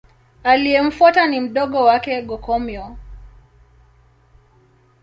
Aliyemfuata ni mdogo wake Go-Komyo.